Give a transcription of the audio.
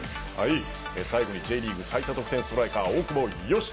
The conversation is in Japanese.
最後にＪリーグ最多得点数ストライカー大久保嘉人。